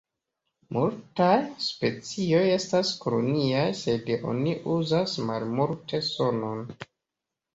Multaj specioj estas koloniaj sed oni uzas malmulte sonon.